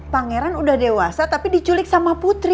pangeran udah dewasa tapi diculik sama putri